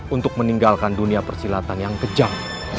untuk meninggalkan dunia persilatan yang kejang